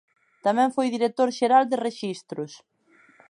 Tamén foi director xeral de rexistros.